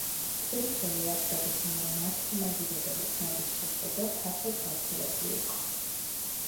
თბილისელი ვაჭრების მიერ მართლმადიდებელი ყმების შესყიდვა ფართოდ გავრცელებული იყო.